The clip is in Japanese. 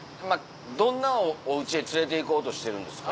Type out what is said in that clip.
どんなおうちへ連れていこうとしてるんですか？